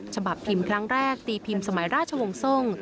ฉบับพิมพ์ครั้งแรกตีพิมพ์สมัยราชวงศ์ทรง